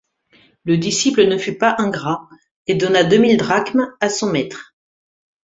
Le disciple ne fut pas ingrat, et donna deux mille drachmes à son maître.